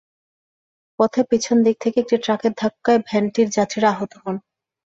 পথে পেছন দিক থেকে একটি ট্রাকের ধাক্কায় ভ্যানটির যাত্রীরা আহত হন।